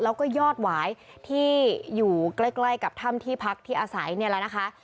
แล้วก็ยอดหวายที่อยู่ใกล้กับถ้ำที่พักที่อาศัยเนี่ยแหละนะคะ